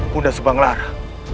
bunda subang lara